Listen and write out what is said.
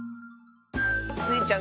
スイちゃん